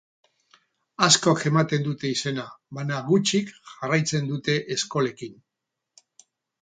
Askok ematen dute izena, baina gutxik jarraitzen dute eskolekin.